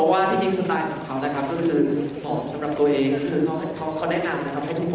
แค่นั้นเองนะครับนี่ง่ายเลยแต่ดูออกมาแล้วนี่เหมือนจะง่ายเนาะ